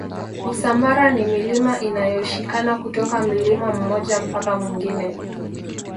usambara ni milima iliyoshikana kutoka mlima mmoja mpaka mwingine